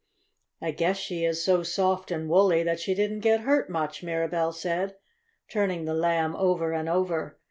"I guess she is so soft and woolly that she didn't get hurt much," Mirabell said, turning the Lamb over and over.